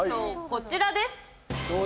こちらです。